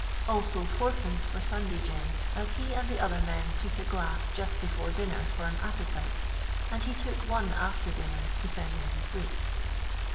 Also Ad. for Sunday gin, as he and the other men took a glass just before dinner for an appetite, and he took one after dinner to send him asleep.